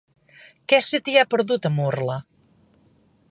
Què se t'hi ha perdut, a Murla?